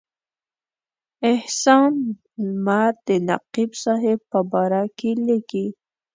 احسان لمر د نقیب صاحب په باره کې لیکي.